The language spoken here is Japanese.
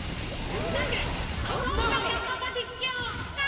さてどんななかまでしょうか？